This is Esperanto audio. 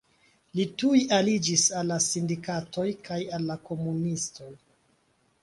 Li tuj aliĝis al la sindikatoj kaj al la komunistoj.